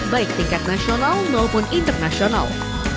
baik tingkat nasional maupun internasional